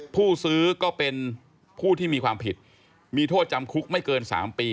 ผู้ซื้อก็เป็นผู้ที่มีความผิดมีโทษจำคุกไม่เกิน๓ปี